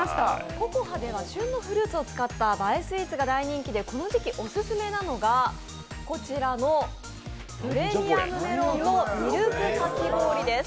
Ｃｏｃｏｈａでは旬のフルーツを使った映えスイーツが人気でこの時期オススメなのがこちらのプレミアムメロンのみるくかき氷です。